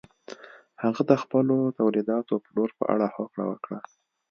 هغه د خپلو تولیداتو پلور په اړه هوکړه وکړه.